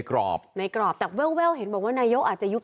กรกฏอเขาบอกว่าไม่มีผลได้เสีย